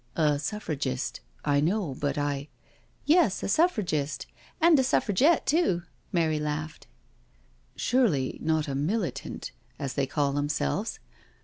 •' A Suffragist— I know, but I '"" Yes, a Suffragist and a Suffragette too." Mary laughed. " Surely not a Militant, as they call themselves?